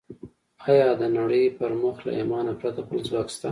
ايا د نړۍ پر مخ له ايمانه پرته بل ځواک شته؟